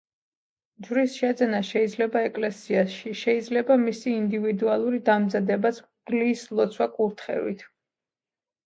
ჯვრის შეძენა შეიძლება ეკლესიაში; შეიძლება მისი ინდივიდუალური დამზადებაც მღვდლის ლოცვა-კურთხევით.